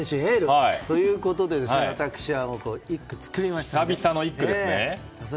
ということで私一句作りました。